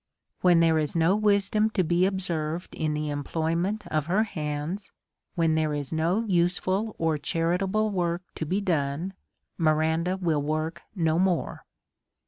AVhen there is no wisdom to be observed in the employment of her hands, when there is no useful or charitable work to be done^ Miranda will work no more.